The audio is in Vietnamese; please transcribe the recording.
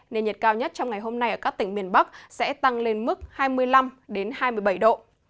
nên nhiệt cao nhất trong ngày hôm nay ở các tỉnh miền bắc sẽ tăng lên mức hai mươi năm hai mươi bảy độ